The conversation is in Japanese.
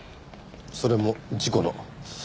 それも事故の。